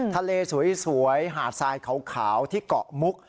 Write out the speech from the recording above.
ทะเลสวยหาดทรายขาวที่เกาะมุก